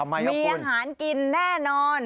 มีอาหารกินแน่นอน